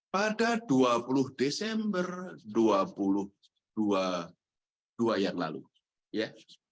pada dua puluh desember dua ribu dua puluh dua yang lalu ya